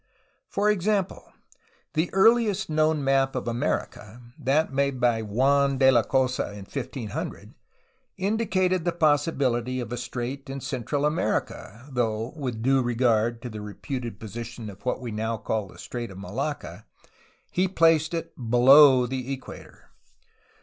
For example, the earliest known map of America, that made by Juan de la Cosa in 1500, indicated the possibility of a strait in Central America, though (with due regard to the reputed position of what we now call the Strait of Malacca) he placed it below the equator.